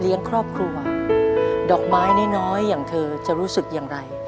ครอบครัวดอกไม้น้อยอย่างเธอจะรู้สึกอย่างไร